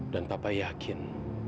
dan papa yakin